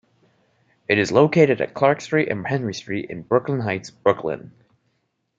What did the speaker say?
It is located at Clark Street and Henry Street in Brooklyn Heights, Brooklyn.